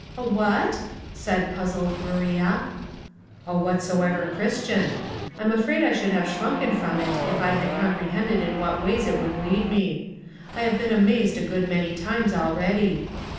" A what ?" said puzzled Maria. " A ' whatsoever' Christian. I'm afraid I should have shrunken from it if I had compre hended in what ways it would lead me. I have been amazed a good many times already.